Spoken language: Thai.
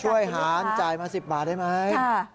อาหารจ่ายมา๑๐บาทได้ไหม